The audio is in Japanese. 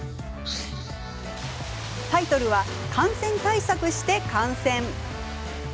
タイトルは「感染対策して観戦」。